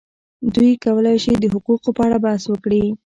دوی کولای شي د حقوقو په اړه بحث وکړي.